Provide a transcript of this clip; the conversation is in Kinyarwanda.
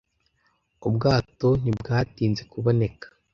Ubwato ntibwatinze kuboneka.